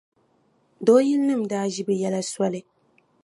Dooyilinima daa ʒi bɛ yɛla soli.